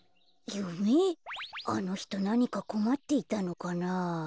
あのひとなにかこまっていたのかなあ。